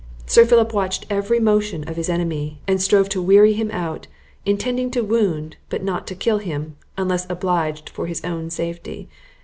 Sir Philip watched every motion of his enemy, and strove to weary him out, intending to wound, but not to kill him, unless obliged for his own safety.